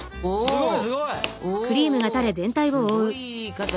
すごい！